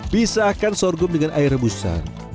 pisahkan sorghum dengan air rebusan